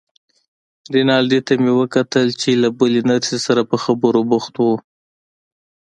رینالډي ته مو وکتل چې له بلې نرسې سره په خبرو بوخت و.